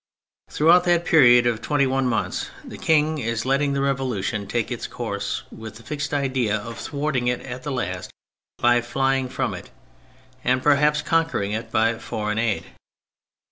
Throughout that period of twenty one months the King is letting the Revolution take its course, with the fixed idea of thw^arting it at last by flying from it, and perhaps conquering it by foreign aid.